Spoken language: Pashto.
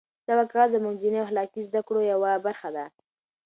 دا واقعه زموږ د دیني او اخلاقي زده کړو یوه برخه ده.